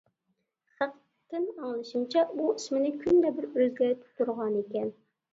خەقتىن ئاڭلىشىمچە، ئۇ ئىسمىنى كۈندە بىر ئۆزگەرتىپ تۇرغانىكەن.